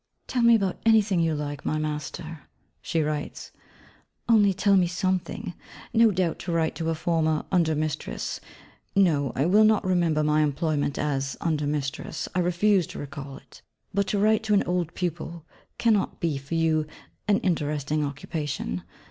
'Tell me about anything you like, my Master,' she writes, 'only tell me something! No doubt, to write to a former under mistress (no, I will not remember my employment as under mistress, I refuse to recall it), but to write to an old pupil, cannot be, for you, an interesting occupation.